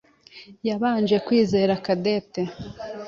yabanje kwizera Cadette.